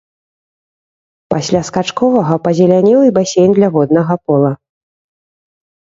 Пасля скачковага пазелянеў і басейн для воднага пола.